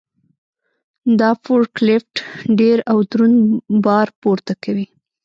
دا فورک لیفټ ډېر او دروند بار پورته کوي.